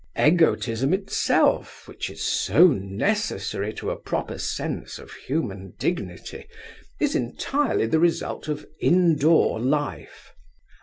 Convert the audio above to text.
Egotism itself, which is so necessary to a proper sense of human dignity, is entirely the result of indoor life.